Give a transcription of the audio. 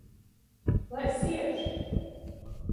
Lai siež!